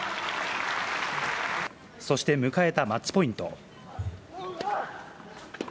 そして迎えたマッチポイント。